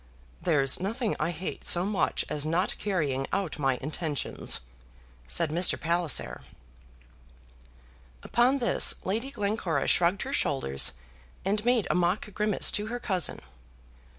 "There's nothing I hate so much as not carrying out my intentions," said Mr. Palliser. Upon this, Lady Glencora shrugged her shoulders, and made a mock grimace to her cousin.